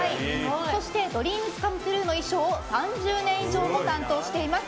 そしてＤＲＥＡＭＳＣＯＭＥＴＲＵＥの衣装を３０年以上も担当しています。